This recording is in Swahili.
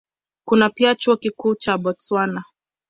Kuna pia Chuo Kikuu cha Botswana.